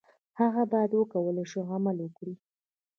هغه باید وکولای شي عمل وکړي.